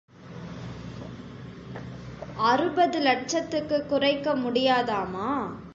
அறுபது லட்சத்துக்கு குறைக்க முடியாதாமா?